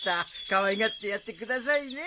かわいがってやってくださいね。